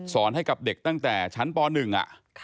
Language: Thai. สอนให้กับเด็กตั้งแต่ชั้นป๑อะ